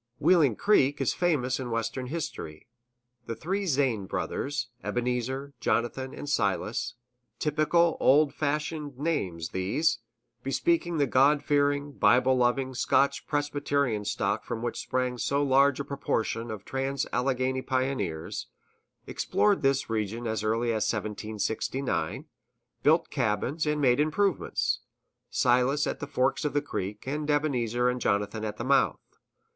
Wheeling Creek is famous in Western history. The three Zane brothers, Ebenezer, Jonathan and Silas, typical, old fashioned names these, bespeaking the God fearing, Bible loving, Scotch Presbyterian stock from which sprang so large a proportion of trans Alleghany pioneers, explored this region as early as 1769, built cabins, and made improvements Silas at the forks of the creek, and Ebenezer and Jonathan at the mouth.